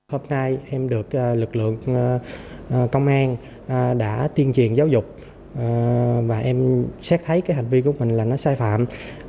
hôm nay em được lực lượng công an đã tuyên truyền giáo dục và em xét thấy cái hành vi của mình là nó sai phạm